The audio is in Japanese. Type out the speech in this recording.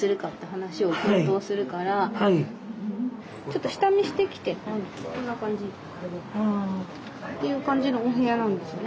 ちょっと下見してきてこんな感じ。っていう感じのお部屋なんですね。